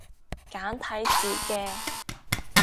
簡體字嘅